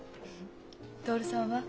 徹さんは？